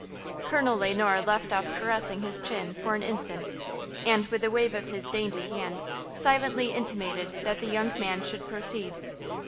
Colonel Le Noir left off caressing his chin for an instant, and, with a wave of his dainty hand, silently intimated that the young man should proceed.